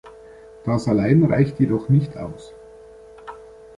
Das allein reicht jedoch nicht aus.